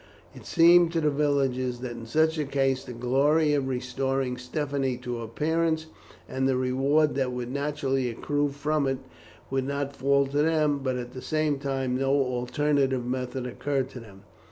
It seemed to the villagers that in such a case the glory of restoring Stephanie to her parents, and the reward that would naturally accrue from it, would not fall to them; but, at the same time, no alternative method occurred to them.